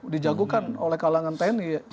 dijagukan oleh kalangan tni